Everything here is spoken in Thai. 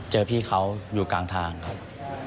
เจอพี่เขาอยู่กลางทางครับ